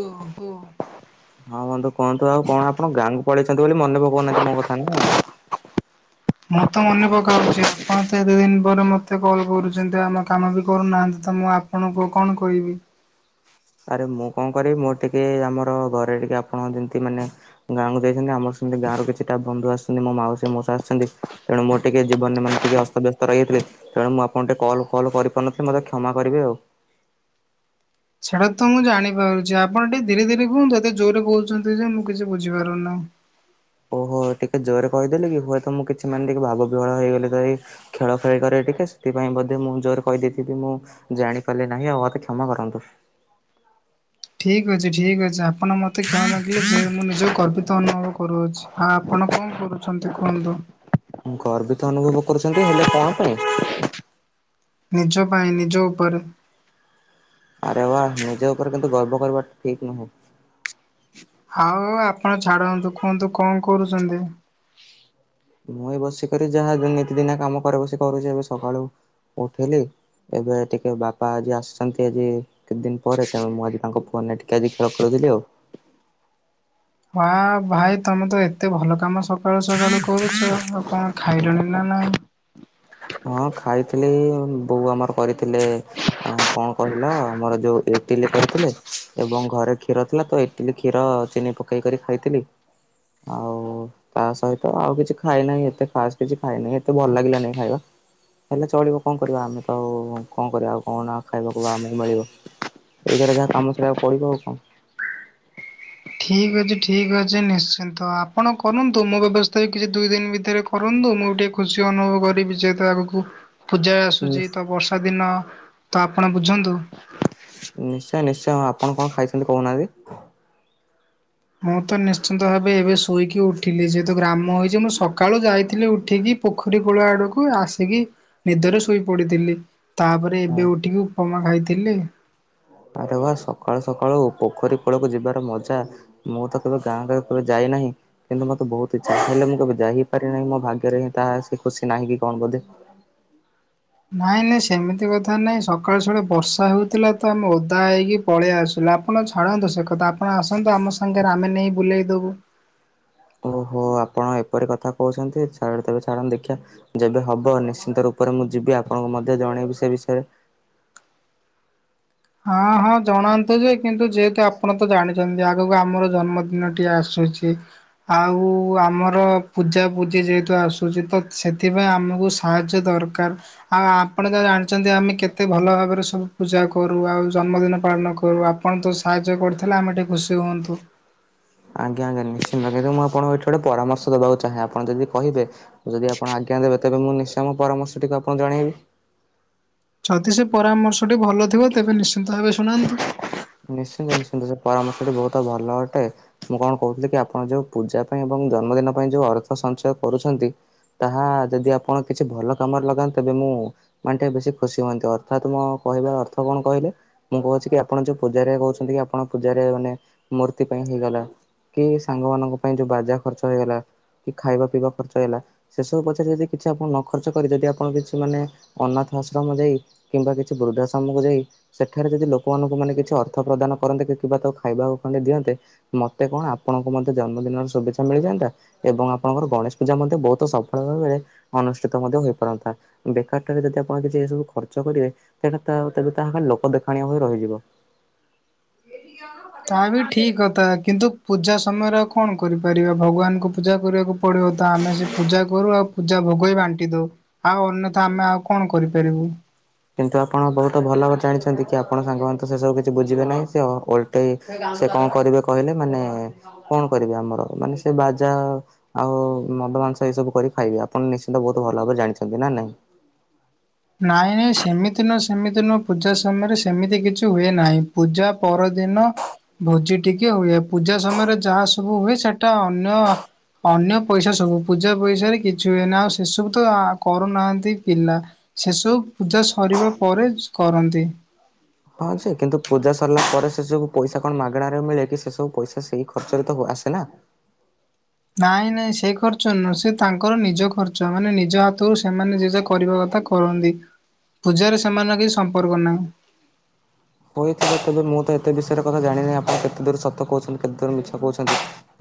ଓହୋ। ହଁ ବନ୍ଧୁ କୁହନ୍ତୁ ଆଉ କଣ ଆପଣ ଗାଁକୁ ପଳେଇଛନ୍ତି ବୋଲି ମନେ ପକାଉନାହାନ୍ତି ମୋ କଥା ନା। ମୁଁ ତ ମନେ ପକାଉଛି ଆପଣ ତ ଏତେ ଦିନ ପରେ ମତେ କଲ୍ କରୁଛନ୍ତି ଆମ କାମ ବି କରୁନାହାନ୍ତି ତ ମୁଁ ଆପ ଆପଣଙ୍କୁ କଣ କହିବି। ଆରେ ମୁଁ କଣ କରିବି ମୋର ଟିକେ ଆମର ଘରେ ଟିକେ ଆପଣଙ୍କ ଯେମିତି ମାନେ ଗାଁକୁ ଯାଇଛନ୍ତି ଆମର ସେମିତି ଗାଁ ରୁ କିଛିଟା ବନ୍ଧୁ ଆସଛନ୍ତି ମୋ ମାଉସୀ ମଉଷା ଆସିଛନ୍ତି। ତେଣୁ ମୁଁ ଟିକେ ଜୀବନରେ ମାନେ ଟିକେ ଅସ୍ତବ୍ୟସ୍ତ ରହିିଯାଇଥିଲି। ତେଣୁ ମୁଁ ଆପଣଙ୍କୁ ଟିକେ କଲ ଫଲ କରିପାରୁନଥିଲି। ମୋତେ କ୍ଷମା କରିବେ ଆଉ। ସେଟା ତ ମୁଁ ଜାଣିପାରୁଛି ଆପଣ ଟିକେ ଧୀରେ ଧୀରେ କୁହନ୍ତୁ। ଏତେ ଜୋରରେ କହୁଛନ୍ତି ଯେ ମୁଁ କିଛି ବୁଝିପାରୁନାହିଁ। ଓହୋ ଟିକେ ଜୋରରେ କହିଦେଲିକି ହୁଏତ ମୁଁ କିଛି ମାନେ ଟିକେ ଭାବ ବିହୋଳ ହେଇଗଲି ତ-ଏଇ ଖେଳ ଖେଳି କରେ ଟିକେ ସେଥିପାଇଁ ବୋଧେ ମୁଁ ଜୋରେ କହିଦେଇଥିବି ମୁଁ ଜାଣିପାରିଲି ନାହିଁ ଆଉ ମୋତେ କ୍ଷମା କରନ୍ତୁ। ଠିକ୍ ଅଛି ଠିକ୍ ଅଛି ଆପଣ ମୋତେ କ୍ଷମା ମାଗିଲେ ମୁଁ ନିଜକୁ ଗର୍ବିତ ଅନୁଭବ କରୁଅଛି। ହଁ ଆପଣ କଣ କରୁଛନ୍ତି କୁହନ୍ତୁ? ଗର୍ବିତ ଅନୁଭବ କରୁଛନ୍ତି ହେଲେ କଣ ପାଇଁ? ନିଜ ପାଇଁ ନିଜ ଉପରେ। ଆରେ ୱା ନିଜ ଉପରେ କିନ୍ତୁ ଗର୍ବ କରିବା ଠିକ ନୁହଁ। ହଉ ଆପଣ ଛାଡନ୍ତୁ କୁହନ୍ତୁ କଣ କରୁଚନ୍ତି? ମୁ ଏଇ ବସିକରି ଯାହା ନିତିଦିନିଆ କାମ କରେ ବସି କରୁଛି ଏବେ ସକାଳୁ ଉଠିଲି। ଏବେ ଟିକେ ବାପା ଆଜି ଆସିଛନ୍ତି। ଆଜି କେତେ ଦିନ ପରେ ତେଣୁ ମୁଁ ଆଜି ତାଙ୍କ ଫୋନରେ ଟିକେ ଆଜି ଖେଳ ଖେୁଳୁଥିଲି ଆଉ। ହଁ ଭାଇ ତମେ ତ ଏତେ ଭଲ କାମ ସକାଳୁ ସକାଳୁ କରୁଛ। ଆଉ କଣ ଖାଇଲଣି ନା ନାହିଁ? ହଁ ଖାଇଥିଲି ବୋଉ ଆମର କରିଥିଲେ ଆଉ କଣ କହିଲ ଆମର ଯୋଉ ଇଟିଲି କରିଥିଲେ। ଏବଂ ଘରେ କ୍ଷୀର ଥିଲା ତ ଇଟିଲି, କ୍ଷୀର, ଚିନି ପକେଇକରି ଖାଇଥିଲି। ଆଉ। ତା ସହିତ ଆଉ କିଛି ଖାଇନାହିଁ ଏତେ ଖାସ୍ କିଛି ଖାଇନାହିଁ ଏତେ ଭଲ ଲାଗିଲାନି ଖାଇବା। ହେଲେ ଚଳିବ କଣ କରିବା ଆମେ ତ ଆଉ କଣ କରିବା ଆଉ କଣ ନା ଖାଇବାକୁ ବା ଆମକୁ ମିଳିବ। ଏଇଥେରେ ଯାହା କାମ ଚଳେଇବାକୁ ପଡିବ ଆଉ କଣ। ଠିକ୍ ଅଛି ଠିକ୍ ଅଛି ନିଶ୍ଚିନ୍ତ ଆପଣ କରନ୍ତୁ। ମୋ ବ୍ୟବସ୍ଥା ବି କିଛି ଦୁଇ ଦିନ ଭିତରେ କରନ୍ତୁ ମୁଁ ଟିକେ ଖୁସି ଅନୁଭବ କରିବି। ଯେହେତୁ ଆଗକୁ ପୂଜା ଆସୁଛି ତ ବର୍ଷା ଦିନ ତ ଆପଣ ବୁଝନ୍ତୁ। ନିଶ୍ଚୟ ନିଶ୍ଚୟ ଆପଣ କଣ ଖାଇଛନ୍ତି କହୁନାହାନ୍ତି? ମୁଁ ତ ନିଶ୍ଚିନ୍ତ ଭାବେ ଏବେ ଶୋଇକି ଉଠିଲି ଯେହେତୁ ଗ୍ରାମ ହୋଇଛି ମୁଁ ସକାଳୁ ଯାଇଥିଲି ଉଠିକି। ପୋଖରୀ କୂଳ ଆଡକୁ ଆସିକି ନିଦରେ ଶୋଇ ପଡିଥିଲି। ତାପରେ ଏବେ ଉଠିକି ଉପମା ଖାଇଥିଲି। ଆରେ ବା ସକାଳୁ ସକାଳୁ ପୋଖରୀ କୁଳକୁ ଯିବାର ମଜା। ମୁଁ ତ କେବେ ଗାଁରେ କେବେ ଯାଇନାହିଁ। କିନ୍ତୁ ମତେ ବହୁତ ଇଚ୍ଛା ହେଲେ ମୁଁ କେବେ ଯାଇ ହି ପାରିନାହିଁ। ମୋ ଭାଗ୍ୟରେ ହିଁ ତାହା ସେ ଖୁସି ନାହିଁ କି କଣ ବୋଧେ। ନାଇଁ ନାଇଁ ସେମିତି କଥା ନାଇଁ ସକାଳୁ ସକାଳୁ ବର୍ଷା ହେଉଥିଲା ତ ଆମେ ଓଦା ହେଇକି ପଳେଇଆସିଲୁ ଆପଣ ଛାଡ଼ନ୍ତୁ ସେ କଥା ଆପଣ ଆସନ୍ତୁ ଆମ ସାଙ୍ଗରେ ଆମେ ନେଇ ବୁଲେଇ ଦବୁ। ଓହୋ ଆପଣ ଏପରି କଥା କହୁଛନ୍ତି ଛା ତେବେ ଛାଡ଼ନ୍ତୁ ଦେଖିବା। ଯେବେ ହବ ନିଶ୍ଚିନ୍ତ ରୂପରେ ମୁଁ ଯିବି ଆପଣଙ୍କୁ ମଧ୍ୟ ଜଣେଇବି ସେ ବିଷୟରେ। ହଁ ହଁ ଜଣାନ୍ତୁ ଯେ କିନ୍ତୁ ଯେହେତୁ ଆପଣ ତ ଜାଣିଛନ୍ତି ଆଗକୁ ଆମର ଜନ୍ମଦିନଟି ଆସୁଛି। ଆଉ ଆମର ପୂଜା ପୂଜି ଯେହେତୁ ଆସୁଛି ତ ସେଥିପାଇଁ ଆମକୁ ସାହାଯ୍ୟ ଦରକାର ଆଉ ଆପଣ ଜାହା ଜାଣିଛନ୍ତି ଆମେ କେତେ ଭଲ ଭାବରେ ସବୁ ପୂଜା କ କରୁ ଆଉ ଜନ୍ମଦିନ ପାଳନ କରୁ ଆପଣ ତ ସାହାଯ୍ୟ କରିଥିଲେ ଆମେ ଟିକେ ଖୁସି ହୁଅନ୍ତୁ। ଆଜ୍ଞା ଆଜ୍ଞା ନିଶ୍ଚିନ୍ତ କିନ୍ତୁ ମୁଁ ଆପଣଙ୍କୁ ଏଠି ଗୋଟେ ପରାମର୍ଶ ଦବାକୁ ଚାହେଁ ଆପଣ ଯଦି କହିବେ। ଯଦି ଆପଣ ଆଜ୍ଞା ଦେବେ ତେବେ ମୁଁ ନିଶ୍ଚୟ ଆମ ପରାମର୍ଶ ଟିକୁ ଆପଣଙ୍କୁ ଜଣେଇବି। ଯଦି ସେ ପରାମର୍ଶଟି ଭଲ ଥିବ ତେବେ ନିଶ୍ଚିନ୍ତ ଭାବେ ଶୁନାନ୍ତୁ। ନିଶ୍ଚିନ୍ତ ନିଶ୍ଚିନ୍ତ ସେ ପରାମର୍ଶଟି ବହୁତ ଭଲ ଅଟେ। ମୁଁ କଣ କହୁଥିଲି କି ଆପଣ ଯୋଉ ପୂଜା ପାଇଁ ଏବଂ ଜନ୍ମଦିନ ପାଇଁ ଯୋଉ ଅର୍ଥ ସଞ୍ଚୟ କରୁଛନ୍ତି ତାହା ଯଦି ଆପଣ କିଛି ଭଲ କାମରେ ଲଗାନ୍ତେ ତେବେ ମୁଁ ମାନେ ଟିକେ ବେଶୀ ଖୁସି ହୁଅନ୍ତି ଅର୍ଥାତ ମୋ କହିବା ଅର୍ଥ କଣ କହିଲେ ମୁଁ କହୁଛି କି ଆପଣ ଯୋଉ ପୂଜାରେ ବଉଛନ୍ତି କି ଆପଣ ପୂଜାରେ ମାନେ ମୂର୍ତ୍ତି ପାଇଁ ହେଇଗଲା। କି ସାଙ୍ଗମାନଙ୍କ ପାଇଁ ଯୋଉ ବାଜା ଖର୍ଚ୍ଚ ହେଇଗଲା କି ଖାଇବା ପିଇବା ଖର୍ଚ୍ଚ ହେଲା। ସେସବୁ ପଛରେ ଯଦି କିଛି ଆପଣ ନ ଖର୍ଚ୍ଚ କରି ଯଦି ଆପଣ କିଛି ମାନେ ଅନାଥ ଆଶ୍ରମ ଯାଇ କିମ୍ବା କିଛି ବୃଦ୍ଧାଶ୍ରମକୁ ଯାଇ ସେଠାରେ ଯଦି ଲୋକମାନଙ୍କୁ ମାନେ କିଛି ଅର୍ଥ ପ୍ରଦାନ କରନ୍ତେ କିିବା ତାକୁ ଖାଇବାକୁ ଖଣ୍ଡେ ଦିଅନ୍ତେ। ମତେ କଣ ଆପଣଙ୍କୁ ମଧ୍ୟ ଜନ୍ମଦିନର ଶୁଭେ୍ଛା ମିଳିଯାଆନ୍ତା। ଏବଂ ଆପଣଙ୍କର ଗଣେଶ ପୂଜା ମଧ୍ୟ ବହୁତ ସଫଳ ଭାବରେ ଅନୁଷ୍ଠିତ ମଧ୍ୟ ହୋଇପାରନ୍ତା। ବେକାରଟାରେ ଯଦି ଆପଣ କିଛି ଏ ସବୁ ଖର୍ଚ୍ଚ କରିବେ ତା ଲୋକ ଦେଖାଣିଆ ଭାବେ ରହିଯିବ। ତା ବି ଠିକ କଥା କିନ୍ତୁ ପୂଜା ସମୟରେ ଆଉ କଣ କରିପାରିବା ଭଗବାନଙ୍କୁ ପୂଜା କରିବାକୁ ପଡ଼ିବ ତ ଆମେ ସେ ପୂଜା କରୁ ଆଉ। ପୂଜା ଭୋଗ ବାଣ୍ଟି ଦଉ ଆଉ ଅନ୍ୟଥା ଆମେ ଆଉ କଣ କରିପାରିବୁ। କିନ୍ତୁ ଆପଣ ବହୁତ ଭଲ ଭାବରେ ଜାଣିଛନ୍ତି କି ଆପଣ ସାଙ୍ଗମାନେ ତ ସେସବୁ କିଛି ବୁଝିବେ ନାହିଁ ସେ ଗୋଟେ ସେ କଣ କରିବେ କହିଲେ ମାନେ କଣ କରିବେ ଆମର ମାନେ ସେ ବାଜା ଆଉ ମଦ ମାଂସ ଏଇ ସବୁ କରି ଖାଇବବେ ଆପଣ ନିଶ୍ଚିନ୍ତ ବହୁତ ଭଲ ଭାବରେ ଜାଣିଛନ୍ତି ନା ନାଇଁ। ନାଇଁ ନାଇଁ ସେମିତି ନୁହଁ ସେମିତି ନୁହଁ ପୂଜା ସମୟରେ ସେମିତି କିଛି ହୁଏ ନାହିଁ। ପୂଜା ପରଦିନ ଭୋଜି ଟିକେ ହୁଏ ପୂଜା ସମୟରେ ଯାହା ସବୁ ହୁଏ ସେଟା ଅନ୍ୟ ଅନ୍ୟ ପଇସା ସବୁ ପୂଜା ପଇସାରେ କିଛି ହୁଏନି ଆଉ ସେସବୁ ତ କରୁନାହାନ୍ତି ପିଲା। ସେସବୁ ପୂଜା ସରିବା ପରେ କରନ୍ତି। ହଁ ଯେ କିନ୍ତୁ ପୂଜା ସରିଲା ପରେ ସେ ସବୁ ପଇସା କଣ ମାଗଣାରେ ମିଳେ କି ସେ ସବୁ ପଇସା ସେଇ ଖର୍ଚ୍ଚରେ ତ ଆସେ ନା। ନାଇଁ ନାଇଁ ସେ ଖର୍ଚ୍ଚ ନୁହଁ ସେ ତାଙ୍କର ନିଜ ଖର୍ଚ୍ଚ ମାନେ ନିଜ ହାତରୁ ସେମାନେ ଯାହା କରିବା କଥା କରନ୍ତି ପୂଜାରେ ସେମାନଙ୍କ କିଛି ସମ୍ପର୍କ ନାହିଁ। ହୋଇଥିବ ତେବେ ମୁଁ ତ ଏତେ ବିଷୟରେ କଥା ଜାଣିନହିଁ ଆପଣ କେତେ ଦୂର ସତ କହୁଛନ୍ତି କେତେ ଦୂର ମିଛ କହୁଛନ୍ତି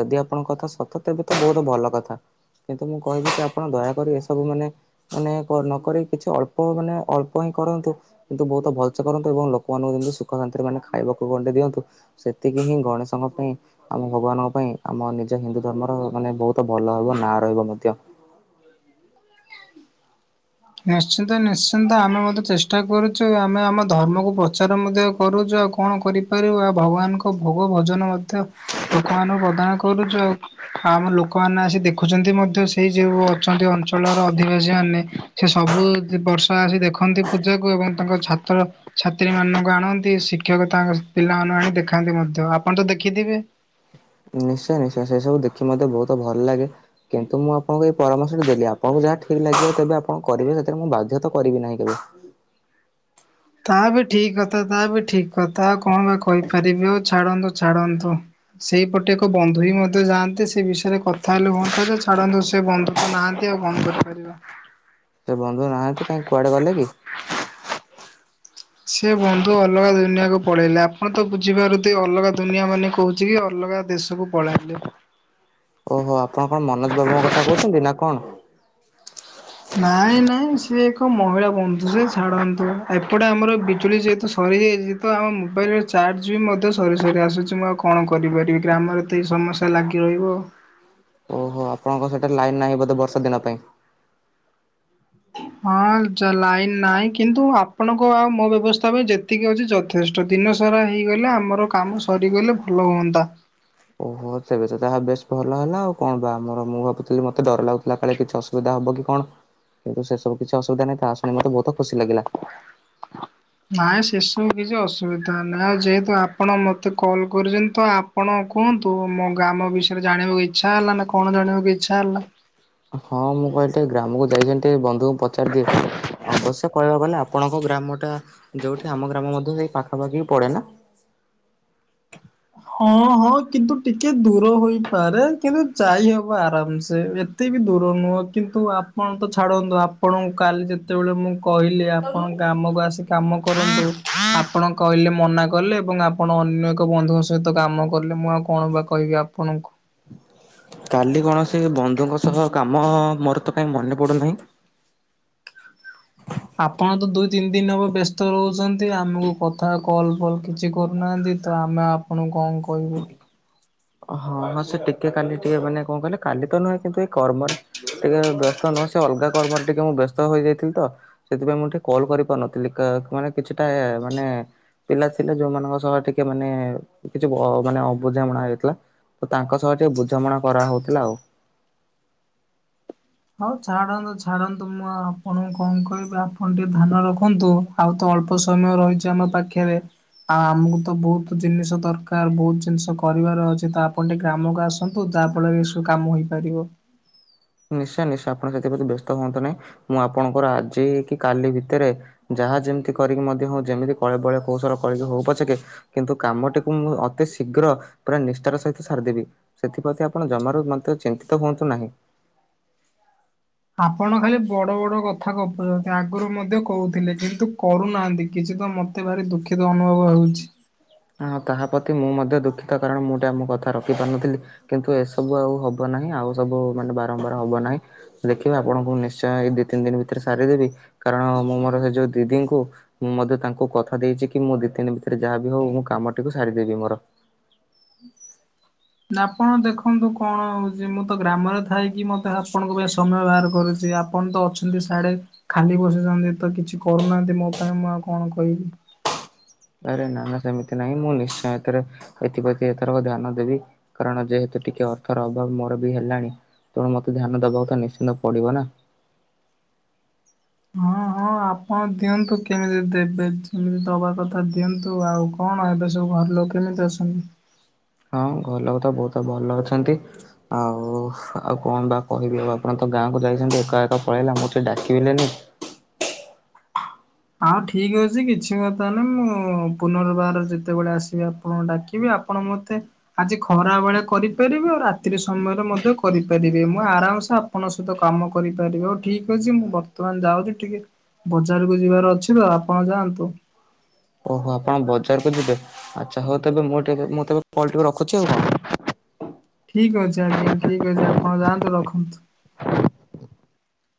ଯଦି ଆପଣଙ୍କ କଥା ସତ ତେବେ ତ ବହୁତ ଭଲ କଥା କିନ୍ତୁ ମୁଁ କହିବି କି ଆପଣ ଦୟାକରି ଏସବୁ ମାନେ ମାନେ ନକି କିଛି ଅଳ୍ପ ମାନେ ଅଳ୍ପ ହିଁ କରନ୍ତୁ କିନ୍ତୁ ବହୁତ ଭଲସେ କରନ୍ତୁ ଏବଂ ଲୋକ ପୋକାନଙ୍କୁ ଦୁ ସୁଖ ଶାନ୍ତିରେ ମାନେ ଖାଇବାକୁ ଗଣ୍ଡେଇ ଦିଅନ୍ତୁ ସେତିକି ହିଁ ଗଣେଶଙ୍କ ପାଇଁ ଆମ ଭଗବାନଙ୍କ ପାଇଁ ଆମ ନିଜ ହିନ୍ଦୁ ଧର୍ମର ମାନେ ବହୁତ ଭଲ ରହିବ ନାଁ ରହିବ ମଧ୍ୟ ନିଶ୍ଚିନ୍ତ ନିଶ୍ଚିନ୍ତ ଆମେ ମଧ୍ୟେ ଚେଷ୍ଟା କରୁଛୁ ଆମେ ଆମ ଧର୍ମକୁ ପ୍ରଚାର ମଧ୍ୟ କରୁଛୁ ଆଉ କଣ କରିପାରିବ ଆ ଭଗବାନଙ୍କ ଭୋଗ ଭଜନ ମଧ୍ୟ ଲୋକମାନଙ୍କୁ ପ୍ରଦାନ କରୁଛ ଆଉ ଆମ ଲୋକମାନେ ଆସି ଦେଖୁଛନ୍ତି ମଧ୍ୟ ସେଇ ଯୋଉ ଅଛନ୍ତି ଅଞ୍ଚଳର ଅଧିବାସୀ ମାନେ ସେ ସବୁ ବର୍ଷା ଆସି ଦେଖନ୍ତି ପୂଜାକୁ ଏବଂ ତାଙ୍କ ଛାତ୍ର ଛାତ୍ରୀ ମାନଙ୍କୁ ଆଣନ୍ତି ଶିକ୍ଷକ ତାଙ୍କ ପିଲାମାନଙ୍କୁ ଆଣି ଦେଖାନ୍ତି ମଧ୍ୟ ଆପଣ ତ ଦେଖିଥିବେ ନିଶ୍ଚୟ ନିଶ୍ଚୟ ସେ ସବୁ ଦେଖି ମତେ ବହୁତ ଭଲ ଲାଗେ କିନ୍ତୁ ମୁଁ ଆପଣଙ୍କୁ ଏଇ ପରାମର୍ଶ ଟି ଦେଲି ଆପଣଙ୍କୁ ଯାହା ଠିକ ଲାଗିବ ତେବେ ଆପଣ କରିବେ ସେଥିରେ ମୁଁ ବାଧ୍ୟ ତ କରିବି ନାହିଁ କେବେ ତା ବି ଠିକ କଥା ତା ବି ଠିକ କଥା ଆଉ କଣ ବା କହିପାରିବି ଆଉ ଛାଡ଼ନ୍ତୁ ଛାଡ଼ନ୍ତୁ ସେଇପଟେ ଏକ ବନ୍ଧୁ ହ ମଧ୍ୟ ଯାଆନ୍ତେ ସେ ବିଷୟରେ କଥା ହେଲେ ହୁଅନ୍ତା ଯେ ଛାଡନ୍ତୁ ସେ ବନ୍ଧୁ ତ ନାହାନ୍ତି ଆଉ ବନ୍ଦ କରିପାରିବା ସେ ବନ୍ଧୁ ନାହାନ୍ତି କାହିଁ କୁଆଡେ ଗଲେ କି ସେ ବନ୍ଧୁ ଅଲଗା ଦୁନିଆକୁ ପଳେଇଲେ ଆପଣ ତ ବୁଝିପାରୁଥେ ଅଲଗା ଦୁନିଆ ମାନେ କହୁଛି କି ଅଲଗା ଦେଶ ସବୁ ପଳେଇି ଓହୋ ଆପଣ କଣ ମନୋଜ ବାବୁଙ୍କ କଥା କହୁଛନ୍ତି ନା କଣ ନାଇଁ ନାଇଁ ସିଏ ଏକ ମହିଳା ବନ୍ଧୁ ସେ ଛାଡ଼ନ୍ତୁ ଏପଟେ ଆମର ବିଜୁଳି ଯେହେତୁ ସରିଯାଇଛି ତ ଆମ ମୋବାଇଲର ଚାର୍ଜ ବି ମଧ୍ୟ ସରେ ସରି ଆସୁଛି ମୁଁ ଆଉ କଣ କରିପାରିବି ଗ୍ରାମରେ ଏତେ ସମସ୍ୟା ଲାଗି ରହିବ ଓହୋ ଆପଣଙ୍କ ସେଟା ଲାଇନ୍ ନାହିଁ ବୋଧେ ବର୍ଷା ଦିନ ପାଇଁ ହଁ ଲାଇନ ନାହିଁ କିନ୍ତୁ ଆପଣଙ୍କ ଆଉ ମୋ ବ୍ୟବସ୍ଥା ପାଇଁ ଯେତେ ଏତିକି ଅଛି ଯଥେଷ୍ଟ ଦିନ ସାରା ହେଇଗଲେ ଆମର କାମ ସରିଗଲେ ଭଲ ହୁଅନ୍ତା ଓହୋ ତେବେ ତ ତାହା ବେଶ ଭଲ ହେଲା ଆଉ କଣ ବା ଆମର ମୁଁ ଭାବୁଥିଲି ମତେ ଡର ଲାଗୁଥିଲା କାଳେ କିଛି ସୁବିଧା ହବ କି କଣ କିନ୍ତୁ ସେ ସବୁ କିଛି ଅୁବିଧା ନାହିଁ ତାହା ଶୁଣି ମତେ ବହୁତ ଖୁସି ଲାଗିଲା ନାଇଁ ସେସବୁ କିଛି ଅସୁବିଧା ନାହିଁ ଆଉ ଯେହେତୁ ଆପଣ ମତେ କଲ୍ କରିୁଛନ୍ତି ତ ଅପ ଆପଣ କୁହନ୍ତୁ ମୋ ଗ୍ରାମ ବିଷୟରେ ଜାଣିବାକୁ ଇଚ୍ଛା ହେଲା ନା କଣ ଜାଣିବାକୁ ଇଚ୍ଛା ହେଲା। ହଁ ମୁଁ କହିଲି ଗ୍ରାମକୁ ଯାଇଛନ୍ତି ବନ୍ଧୁଙ୍କୁ ପଚାରି ଦିଏ। ଅବଶ୍ୟ କହି ହବନି ଆପଣଙ୍କ ଗ୍ରାମ ଟା ଯୋଉଠି ଆମ ଗ୍ରାମ ମଧ୍ୟ ସେଇ ପାଖାପାଖି ପଡେ ନା। ହଁ ହଁ କିନ୍ତୁ ଟିକେ ଦୂର ହେଇପାରେ କିନ୍ତୁ ଯାଇହବ ଆରାମ ସେ। ଏତେ ବି ଦୂର ନୁହେଁ କିନ୍ତୁ ଆପଣ ତ ଛାଡ଼ନ୍ତୁ ଆପଣ କାଲି ଯେତେବେଳେ ମୁଁ କହିଲେ ଆପଣ ଗ୍ରାମ କୁ ଆସି କାମ କରନ୍ତୁ ଆପଣ କହିଲେ ମନା କଲେ ଏବଂ ଆପଣ ଅନ୍ୟ ଏକ ବନ୍ଧୁଙ୍କ ସହ ସହିତ କାମ କଲେ ମୁଁ ଆଉ କଣ ବା କହିବି ଆପଣଙ୍କୁ। କାଲି କୌଣସି ବନ୍ଧୁଙ୍କ ସହ କାମ ମୋର ତ କାଇଁ ମନେ ପଡୁନାହିଁ। ଆପଣ ତ ଦୁଇ ତିନି ଦିନ ହେବ ବ୍ୟସ୍ତ ରହୁଛନ୍ତି ଆମକୁ କଥା କଲ ଫଲ କିଛି କରୁନାହାନ୍ତି। ତ ଆମେ ଆପଣଙ୍କୁ କଣ କହିବୁ। ହଁ ହଁ ସେ ଟିକେ କାଲି ଟିକେ ମାନେ କଣ କହିଲେ କାଲି ତ ନୁହେଁ କିନ୍ତୁ ଏଇ କର୍ମରେ। ଟିକେ ବ୍ୟସ୍ତ ନୁହଁ ସେ ଅଲଗା କର୍ମରେ ଟିକେ ମୁଁ ବ୍ୟସ୍ତ ହୋଇଯାଇଥିଲି ତ। ସେଥିପାଇଁ ମୁଁ ଟିକେ କଲ କରିପାରୁନଥିଲି ମାନେ କିଛିଟା ମାନେ ପିଲା ଥିଲେ ଯୋଉମାନଙ୍କ ସହ ଟିକେ ମାନେ କିଛି ମାନେ ଅବୁଝାମଣା ହେଇଥିଲା। ହେଲା ତ ତାଙ୍କ ସହ ଟିକେ ବୁଝାମଣା କରାହଉଥିଲା ଆଉ। ହଉ ଛାଡ଼ନ୍ତୁ ଛାଡ଼ନ୍ତୁ ମୁଁ ଆପଣଙ୍କୁ କଣ କହିବି ଆପଣ ଟିକେ ଧ୍ୟ୍ୟନ ରଖନ୍ତୁ। ଆଉ ତ ଅଳ୍ପ ସମୟ ରହିଛି ଆମ ପାଖରେ। ଆଉ ଆମକୁ ତ ବହୁତ ଜିନିଷ ଦରକାର ବହୁତ ଜିନିଷ କରିବାର ଅଛି ତ ଆପଣ ଟିକେ ଗ୍ରାମକୁ ଆସନ୍ତୁ। ହଉ ତା ଫଳରେ ଏ ସବୁ କାମ ହେଇପାରିବ। ନିଶ୍ଚୟ ନିଶ୍ଚୟ ଆପଣ ସେଥିପ୍ରତି ବ୍ୟସ୍ତ ହୁଅନ୍ତୁ ନାହିଁ ମୁଁ ଆପଣଙ୍କର ଆଜି କି କାଲି ଭିତରେ। ଯାହା ଯେମିତି କରିକି ମଧ୍ୟ ହଉ ଯେମିତି କଳେ ବଳେ କୌଶଳ କରିକି ହଉ ପଛେକେ କିନ୍ତୁ କାମଟିକୁ ମୁଁ ଅତି ଶୀଘ୍ର ପୁରା ନିଷ୍ଠାର ସହିତ ସାରିଦେବି। ସେଥିପ୍ରତି ଆପଣ ଜମାରୁ ମତେ ଚିନ୍ତିତ ହୁଅନ୍ତୁ ନାହିଁ। ଆପଣ ଖାଲି ବଡ ବଡ କଥା ଗପୁଛନ୍ତି ଆଗରୁ ମଧ୍ୟ କହୁଥିଲେ କିନ୍ତୁ କରୁନାହାନ୍ତି କିଛି ତ ମତେ ମତେ ଭାରି ଦୁଃଖିତ ଅନୁଭବ ହେଉଛି। ହଁ ତାହା ପ୍ରତି ମୁଁ ମଧ୍ୟ ଦୁଃଖିତ କାରଣ ମୁଁ ଟେ ଆମ କଥା ରଖିପାରୁନଥିଲି। କିନ୍ତୁ ଏସବୁ ଆଉ ହବ ନାହିଁ ଆଉ ସବୁ ମାନେ ବାରମ୍ବାର ହବ ନାହିଁ। ଦେଖିବ ଆପଣଙ୍କୁ ନିଶ୍ଚୟ ଏଇ ଦି ତିନି ଦିନ ଭିତରେ ସାରିଦେବି କାରଣ ମୁଁ ମୋର ସେ ଯୋଉ ଦିଦିଙ୍କୁ ମୁଁ ମଧ୍ୟ ତାଙ୍କୁ କଥା ଦେଇଛି କି ମୁଁ ଦି ଦିନି ଭିତରେ ଯାହା ହଉ ମୁଁ କାମଟିକୁ ସାରିଦେବି ମୋର। ଆପଣ ଦେଖନ୍ତୁ କଣ ହଉଛି ମୁଁ ତ ଗ୍ରାମରେ ଥାଇକି ମତେ ଆପଣଙ୍କ ପାଇଁ ସମୟ ବାହାର କରୁଛି ଅପ ଆପଣ ତ ଅଛନ୍ତି ସାଡେ ଖାଲି ବସିଛନ୍ତି ତ କିଛି କରୁନାହାନ୍ତି ମୋ ପାଇଁ ମୁଁ ଆଉ କଣ କହିବି। ଆରେ ନା ନା ସେମିତି ନାହିଁ ମୁଁ ନିଶ୍ଚୟ ଏଥରେ ଏଥିପ୍ରତି ଏଥରକ ଧ୍ୟ୍ୟନ ଦେବି। କାରଣ ଯେହେତୁ ଟିକେ ଅର୍ଥର ଅଭାବ ମୋର ବି ହେଲାଣି ତେଣୁ ମତେ ଧ୍ୟ୍ୟନ ଦବାକୁ ତ ନିଶ୍ଚିନ୍ତ ପଡିବ ନା। ହଁ ହଁ ଆପଣ ଦିଅନ୍ତୁ କେମିତି ଦେବେ ଯେମିତି ଦବା କଥା ଦିଅନ୍ତୁ ଆଉ। କଣ ଏବେ ସବୁ ଘର ଲୋକ କେମିତି ଅସଛନ୍ତି। ହଁ ଘର ଲୋକ ତ ବହୁତ ଭଲ ଅଛନ୍ତି। ଆଉ ଆଉ କଣ ବା କହିବି ଆଉ ଆପଣ ତ ଗାଁକୁ ଯାଇଛନ୍ତି ଏକା ଏକା ପଳେଇଲେ ଅମକୁ ଟିକେ ଡାକିବିଲେନି। ହଁ ଠିକ ଅଛି କିଛି କଥା ନାହିଁ ମୁଁ ପୁନର୍ବାର ଯେତେବେଳେ ଆସିବି ଆପ ଆପଣ ଡାକିବି ଆପଣ ମୋତେ ଆଜି ଖରା ବେଳେ କରିପାରିବେ ଆଉ ରାତି ସମୟରେ ମଧ୍ୟ କରିପାରିବେ ମୁଁ ଆରାମସେ ଆପ ଆପଣଙ୍କ ସହିତ କାମ କରିପାରିବ ଠିକ୍ ଅଛି ମୁଁ ବର୍ତ୍ତମାନ ଯାଉଛି ଟିକେ ବଜାରକୁୁ ଯିବାର ଅଛି ତ ଆପଣ ଯାଆନ୍ତୁ। ଓହୋ ଆପଣ ବଜାରକୁ ଯିବେ। ଆଚ୍ଛା ହଉ ତେବେ ମୁଁ ଟେ ମୁଁ ତେବେ କଲଟିକୁ ରଖୁଛି ଆଉ କଣ। ଠିକ ଅଛି ଆଜ୍ଞା ଠିକ ଅଛି ଆପଣ ଯାଆନ୍ତୁ ରଖନ୍ତୁ।